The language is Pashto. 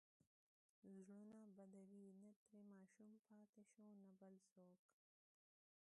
زړونه بدوي، نه ترې ماشوم پاتې شو، نه بل څوک.